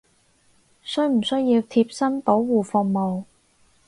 需唔需要貼身保護服務！？